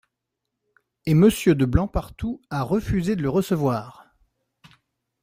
Et Monsieur de Blancpartout a refusé de le recevoir.